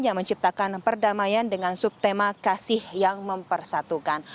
yang menciptakan perdamaian dengan subtema kasih yang mempersatukan